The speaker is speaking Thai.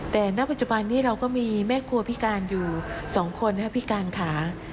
แต่ในปัจจุบันนี้เราก็มีแม่ครัวพิการอยู่สองคนค่ะพิการขา